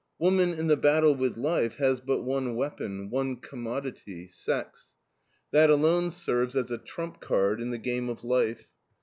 Woman in the battle with life has but one weapon, one commodity sex. That alone serves as a trump card in the game of life.